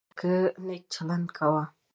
له مور او پلار سره په نیکۍ چلند کوه